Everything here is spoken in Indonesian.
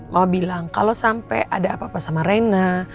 mama bilang kalau sampai ada apa apa sama rena